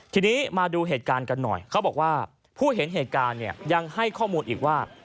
ทีนี้มาดูเหตุการณ์กันหน่อยเขาบอกว่าผู้เห็นเหตุการณ์เนี่ยยังให้ข้อมูลอีกว่า